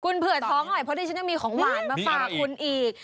คุณเผื่อท้องหน่อยเพราะดิฉันยังมีของหวานมาฝากคุณอีก